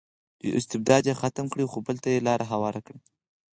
یو استبداد یې ختم کړی خو بل ته یې لار هواره کړې.